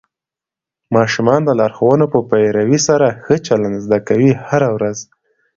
ماشومان د لارښوونو په پیروي سره ښه چلند زده کوي هره ورځ.